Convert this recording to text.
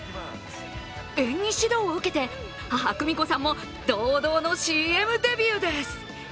演技指導を受けて母・久美子さんも堂々のＣＭデビューです。